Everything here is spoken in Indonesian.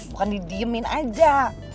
bukan didiemin aja